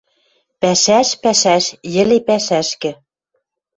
Пӓшӓш, пӓшӓш! Йӹле пӓшӓшкӹ!